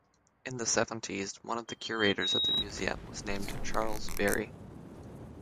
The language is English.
In the Seventies, one of the curators at the museum was named Charles Berry.